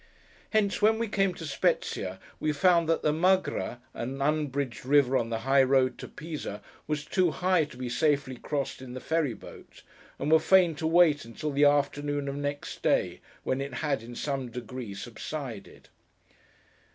Hence, when we came to Spezzia, we found that the Magra, an unbridged river on the high road to Pisa, was too high to be safely crossed in the Ferry Boat, and were fain to wait until the afternoon of next day, when it had, in some degree, subsided.